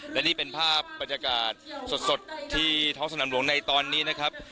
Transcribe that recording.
และนี่เป็นภาพบรรยากาศสดที่ท้องสนามหลวงในตอนนี้นะครับ